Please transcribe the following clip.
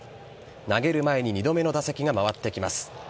投げる前に２度目の打席が回ってきます。